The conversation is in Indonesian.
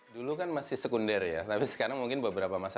dulu kan masih sekunder ya tapi sekarang mungkin beberapa masalah